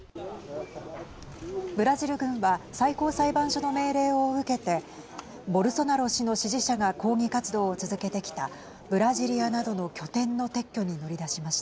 ブラジル軍は最高裁判所の命令を受けてボルソナロ氏の支持者が抗議活動を続けてきたブラジリアなどの拠点の撤去に乗り出しました。